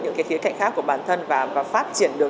những cái khía cạnh khác của bản thân và phát triển được